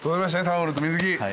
タオルと水着。